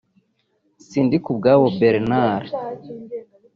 Sindikubwabo Bernard